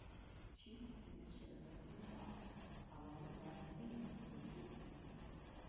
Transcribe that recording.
Chief Minister of Punjab Amarinder Singh rebuked him.